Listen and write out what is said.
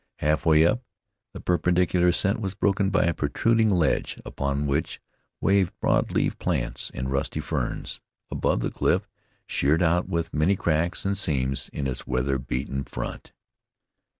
Half way up, the perpendicular ascent was broken by a protruding ledge upon which waved broad leaved plants and rusty ferns. Above, the cliff sheered out with many cracks and seams in its weather beaten front.